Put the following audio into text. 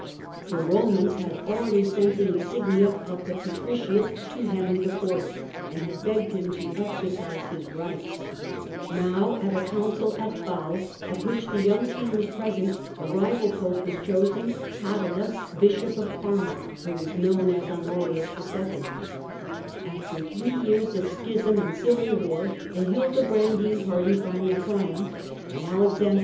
The Romans had already sent the insignia of the patriciate to Henry IV., and had 3gged him to exercise his rights. Now, in a Council 76 THE CENTRAL PERIOD OF THE MIDDLE AGE at Basle, at which the young king was present, a rival Pope was chosen, Cadalus, Bishop of Parma, who is known as Honorius II. After three years of schism and civil war, the Hildebrandine party finally triumphed, and Alexander II.